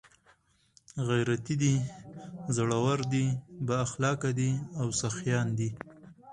، غيرتي دي، زړور دي، بااخلاقه دي او سخيان دي